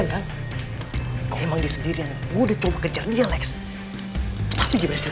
ya memang pengunggul yang